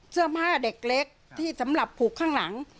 เสื้อผ้าเด็กเล็กที่สำหรับผูกข้างหลัง